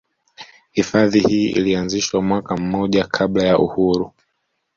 Hifadhi hii ilianzishwa mwaka mmoja kabla ya uhuru